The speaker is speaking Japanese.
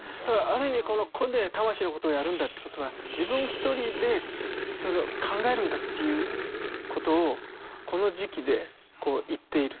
ある意味個で「魂のこと」をやるんだということは自分一人でそれを考えるんだっていうことをこの時期で言っている。